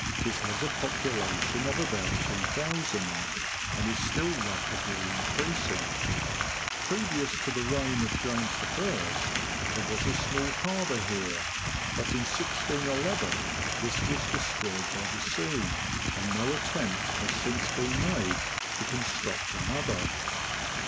It has a population of about 2000, and is still rapidly increasing. Previous to the reign of James I. there was a small harbour here, but in 1611 this was destroyed by the sea, and no attempt has since been made to construct another.